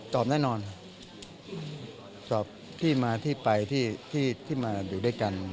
แน่นอนค่ะสอบที่มาที่ไปที่มาอยู่ด้วยกัน